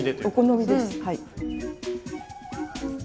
お好みですはい。